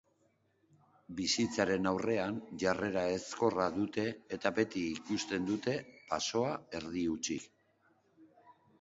Bizitzaren aurrean jarrera ezkorra dute eta beti ikusten dute basoa erdi-hutsik.